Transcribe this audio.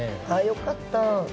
よかった。